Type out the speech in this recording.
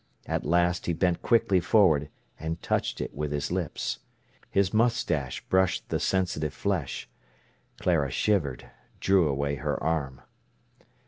At last he bent quickly forward and touched it with his lips. His moustache brushed the sensitive flesh. Clara shivered, drew away her arm.